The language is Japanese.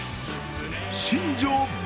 新庄